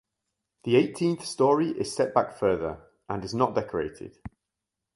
The eighteenth story is set back further and is not decorated.